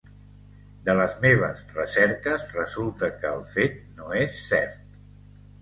De les meves recerques resulta que el fet no és cert.